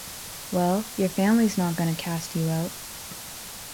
Well, your family's not gonna cast you out.